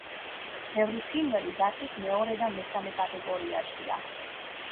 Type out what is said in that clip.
ბევრი ფრინველი დაცვის მეორე და მესამე კატეგორიაშია.